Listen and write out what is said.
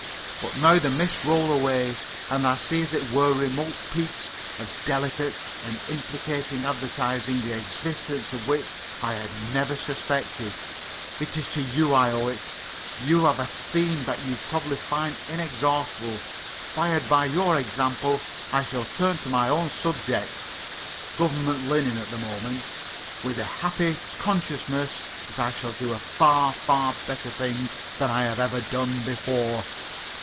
"But now the mists roll away and I see as it were remote peaks of delicate and implicating advertising the existence of which I had never suspected. It is to you I owe it. You have a theme that you probably find inexhaustible. Fired by your example I shall turn to my own subject (Government linen at the moment) with a happy consciousness that I shall do a far, far better thing than I have ever done before.